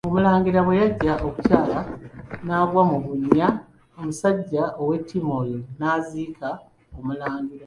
Omulangira bwe yajja okukyala n'agwa mu bunnya, omusajja ow'ettima oyo n'aziika Omulangira.